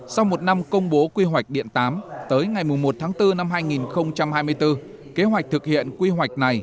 sau một năm công bố quy hoạch điện tám tới ngày một tháng bốn năm hai nghìn hai mươi bốn kế hoạch thực hiện quy hoạch này